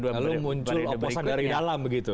lalu muncul oposan dari dalam begitu